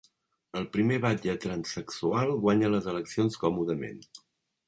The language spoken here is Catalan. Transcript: El primer batlle transsexual guanya les eleccions còmodament